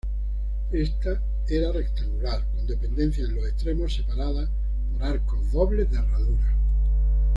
Ésta era rectangular, con dependencias en los extremos separadas por arcos dobles de herradura.